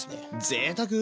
ぜいたく！